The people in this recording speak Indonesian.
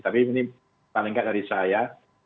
tapi ini paling nggak dari saya